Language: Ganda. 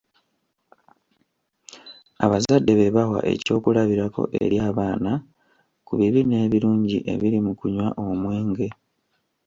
Abazadde be bawa eky'okulabirako eri abaana ku bibi n'ebirungi ebiri mu kunywa omwenge.